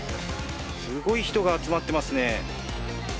すごい人が集まっていますね。